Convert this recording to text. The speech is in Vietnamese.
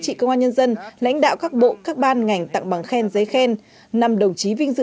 trị công an nhân dân lãnh đạo các bộ các ban ngành tặng bằng khen giấy khen năm đồng chí vinh dự